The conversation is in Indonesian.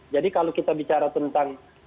jadi kalau kita berbicara tentang konsep